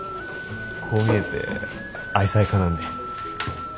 こう見えて愛妻家なんで。